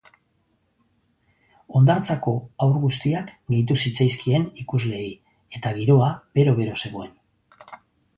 Hondartzako haur guztiak gehitu zitzaizkien ikusleei eta giroa bero-bero zegoen.